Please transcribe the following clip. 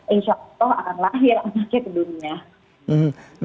insya allah akan lahir anaknya ke dunia